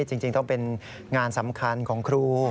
จริงต้องเป็นงานสำคัญของครู